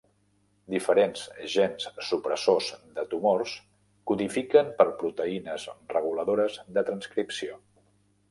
Diferents gens supressors de tumors codifiquen per proteïnes reguladores de transcripció.